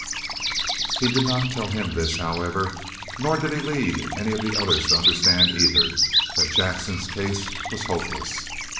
He did not tell him this, however; nor did he lead any of the others to understand, either, that Jackson's case was hopeless!